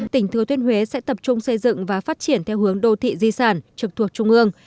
tỉnh thừa thiên huế sẽ tập trung xây dựng và phát triển theo hướng đô thị di sản trực thuộc trung ương